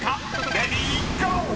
［レディーゴー！］